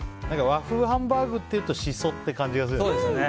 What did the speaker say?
和風ハンバーグっていうとシソって感じがするよね。